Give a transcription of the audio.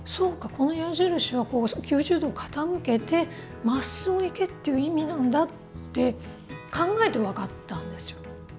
この矢印は９０度傾けてまっすぐ行けっていう意味なんだ」って考えて分かったんですよ。